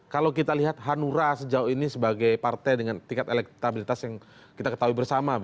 kalau kita lihat hanura sejauh ini sebagai partai dengan tingkat elektabilitas yang kita ketahui bersama